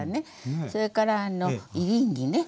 それからエリンギね。